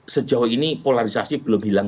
sejauh ini polarisasi belum hilang